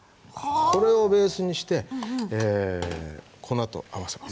これをベースにして粉と合わせます。